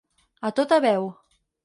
A tota veu.